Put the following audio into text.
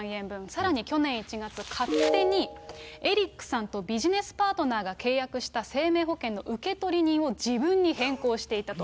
さらに去年１月、勝手にエリックさんとビジネスパートナーが契約した生命保険の受取人を自分に変更していたと。